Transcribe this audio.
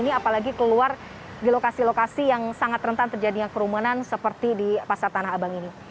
ini apalagi keluar di lokasi lokasi yang sangat rentan terjadinya kerumunan seperti di pasar tanah abang ini